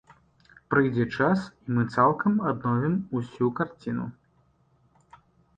Прыйдзе час, і мы цалкам адновім усю карціну.